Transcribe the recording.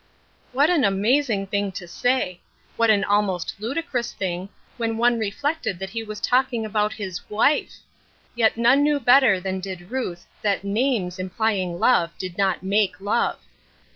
What an amazing thing to say ! what an al most ludicrous thing, when one reflected that he was talking about his wife ! Yet none knew bet ter than did Ruth that names implying love did not make love